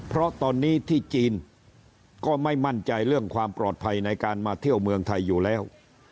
เพราะตอนนี้ที่จีนก็ไม่มั่นใจเรื่องความปลอดภัยในการมาเที่ยวเมืองไทยอยู่แล้ว